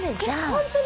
本当に。